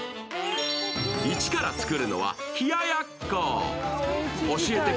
一から作るのは冷ややっこ。